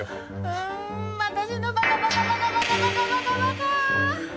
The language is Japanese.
うん私のバカバカバカバカバカバカバカー！